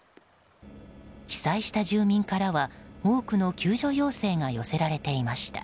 被災した住民からは多くの救助要請が寄せられていました。